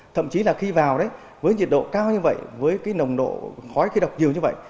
thậm chí là khi vào đấy với nhiệt độ cao như vậy với cái nồng độ khói khi đọc nhiều như vậy